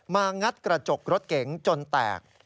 งัดกระจกรถเก๋งจนแตก